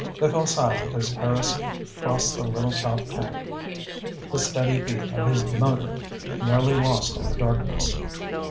They fell silent as Harris crossed the Little Choptank, the steady beat of his motor nearly lost in the darkness.